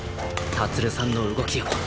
建さんの動きを。